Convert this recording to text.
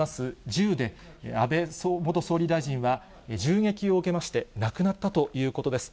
銃で、安倍元総理大臣は銃撃を受けまして亡くなったということです。